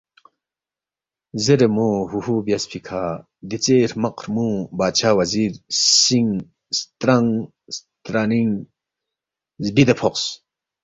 زیرے مو ہُوہُو بیاسفی کھہ دیژے ہرمق ہُرمُو بادشا وزیر سِنگ سترانگ سترانِ٘نگ زبِدے فوقس،